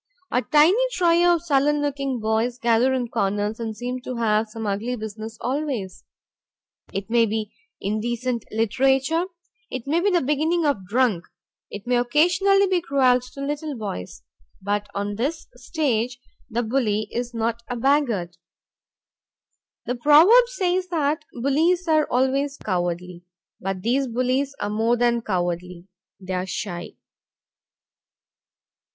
A tiny trio of sullen looking boys gather in corners and seem to have some ugly business always; it may be indecent literature, it may be the beginning of drink, it may occasionally be cruelty to little boys. But on this stage the bully is not a braggart. The proverb says that bullies are always cowardly, but these bullies are more than cowardly; they are shy.